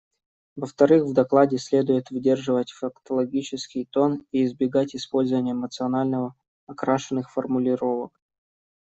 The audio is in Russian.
Во-вторых, в докладе следует выдерживать фактологический тон и избегать использования эмоционально окрашенных формулировок.